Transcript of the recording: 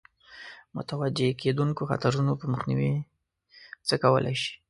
متوجه کېدونکو خطرونو په مخنیوي څه کولای شي.